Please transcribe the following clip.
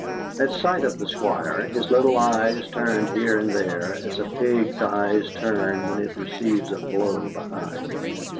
At sight of the Squire his little eyes turned here and there, as a pig's eyes turn when it receives a blow behind.